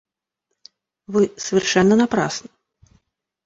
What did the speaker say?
Вы совершенно напрасно.